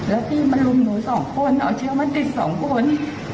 แล้วพี่มรุงหนู๒คนเอาเชียวมาจิต๒คน